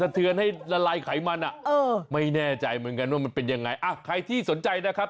เรื่องต่อไปนี้ทำให้คุณแม่ถึงกับต้องกุมขมับอีกเหมือนกันนะครับ